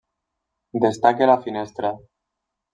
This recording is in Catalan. Destaca la finestra.